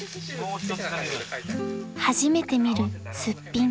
［初めて見るすっぴん］